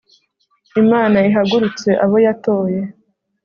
imana ihagurutse abo yatoye